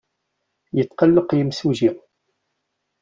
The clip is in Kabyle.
Yetqelleq yimsujji.